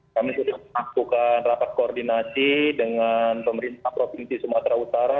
kami sudah melakukan rapat koordinasi dengan pemerintah provinsi sumatera utara